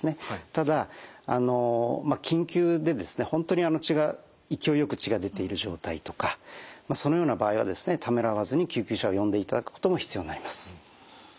ただ緊急で本当に血が勢いよく血が出ている状態とかそのような場合はためらわずに救急車を呼んでいただくことも必要になります。